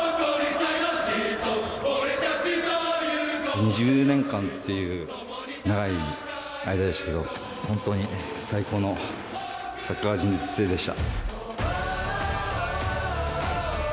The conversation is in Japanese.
１０年間という長い間でしたけど本当に最高のサッカー人生でした。